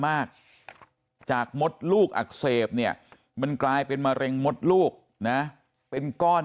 มากจากมดลูกอักเสบเนี่ยมันกลายเป็นมะเร็งมดลูกนะเป็นก้อน